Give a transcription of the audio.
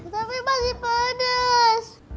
tapi masih pedes